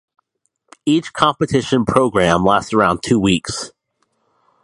Each competition programme lasts around two weeks.